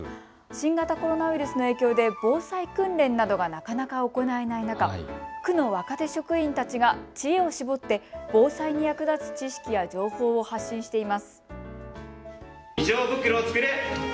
新型コロナウイルスの影響で防災訓練などがなかなか行えない中、区の若手職員たちが知恵を絞って防災に役立つ知識や情報を発信しています。